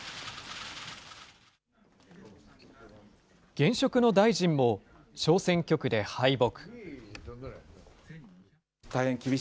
現職の大臣も小選挙区で敗北。